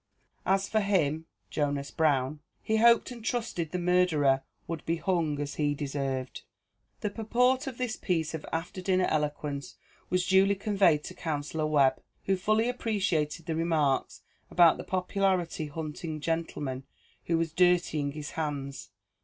As for him (Jonas Brown), he hoped and trusted the murderer would be hung as he deserved." The purport of this piece of after dinner eloquence was duly conveyed to Counsellor Webb, who fully appreciated the remarks about the popularity hunting gentleman who was dirtying his hands.